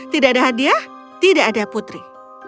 tidak ada hadiah tidak ada putri